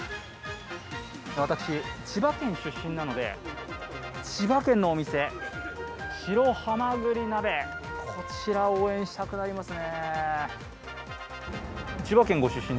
私、千葉県出身なので、千葉県のお店、白はまぐり鍋、こちらを応援したくなりますね。